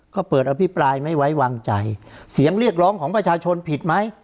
ก็เปิดอภิปรายไม่ไว้วางใจเสียงเรียกร้องของประชาชนผิดไหม